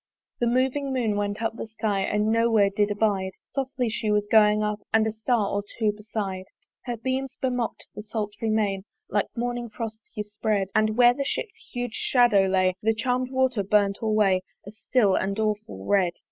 The moving Moon went up the sky And no where did abide: Softly she was going up And a star or two beside Her beams bemock'd the sultry main Like morning frosts yspread; But where the ship's huge shadow lay, The charmed water burnt alway A still and awful red.